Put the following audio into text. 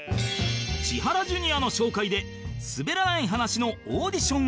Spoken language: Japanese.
千原ジュニアの紹介で『すべらない話』のオーディションへ